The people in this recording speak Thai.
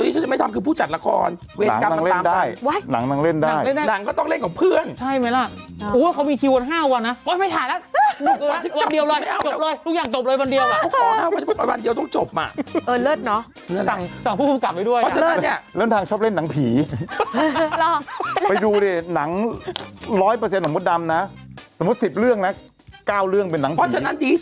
สินะครัทดิวนี่เลยต้องเล่นนังผีเรื่องนะ๙เรื่องเป็นนังผี